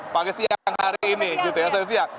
pagi siang hari ini gitu ya